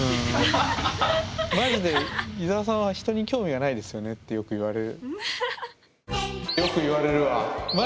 マジで「伊沢さんは人に興味がないですよね」ってよく言われる。